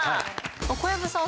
小籔さん